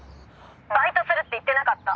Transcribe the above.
バイトするって言ってなかった？